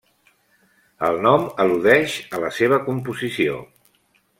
El nom al·ludeix a la seva composició.